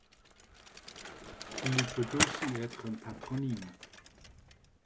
Il peut aussi être un patronyme.